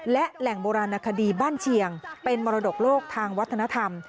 และแหล่งโบราณคดีบ้านเชียงเป็นมรดกโลกทางวัฒนธรรม